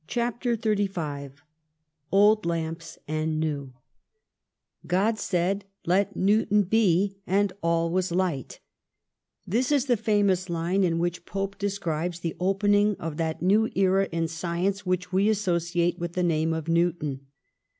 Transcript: xxxv. CHAPTER XXXV OLD LAMPS AND NEW ' God said let Newton be, and all was light/ This is the famous line in which Pope described the opening of that new era in science which we associate with the name of Newton.